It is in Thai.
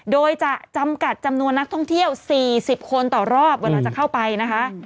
โดยจะจำกัดจำนวนนักท่องเที่ยว๔๐คนต่อรอบเวลาจะเข้าไปนะคะ